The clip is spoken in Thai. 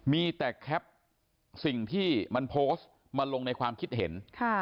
มีแต่แคปสิ่งที่มันโพสต์มาลงในความคิดเห็น